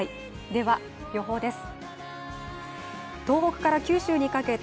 では予報です。